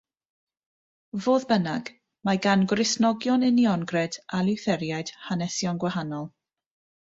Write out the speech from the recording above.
Fodd bynnag, mae gan Gristnogion Uniongred a Lutheriaid hanesion gwahanol.